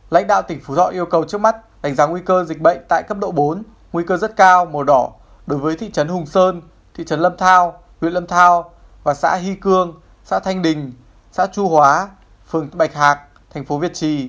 lãnh đạo tỉnh phú thọ yêu cầu trước mắt đánh giá nguy cơ dịch bệnh tại cấp độ bốn nguy cơ rất cao màu đỏ đối với thị trấn hùng sơn thị trấn lâm thao huyện lâm thao và xã hy cương xã thanh đình xã chu hóa phường bạch hạc thành phố việt trì